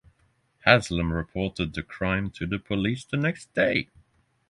Haslem reported the crime to the police the next day.